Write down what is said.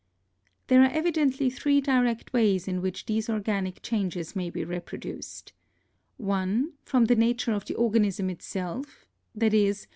There are evidently three direct ways in which these organic changes may be produced: (1) From the nature of the organism itself — i.e.